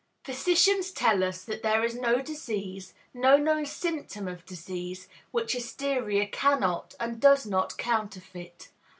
Physicians tell us that there is no known disease, no known symptom of disease, which hysteria cannot and does not counterfeit.